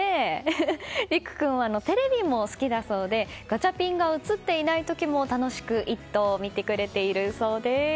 凌空君はテレビも好きだそうでガチャピンが映っていない時も楽しく「イット！」を見てくれているそうです。